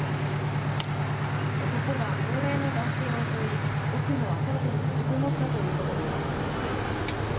男が高齢の男性を襲い奥のアパートに閉じこもったということです。